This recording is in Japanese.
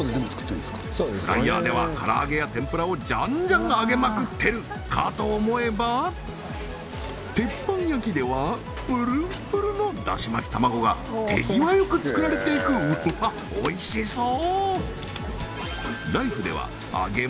フライヤーでは唐揚げや天ぷらをジャンジャン揚げまくってる！かと思えば鉄板焼きではプルップルのだし巻き玉子が手際よく作られていくうわっおいしそう！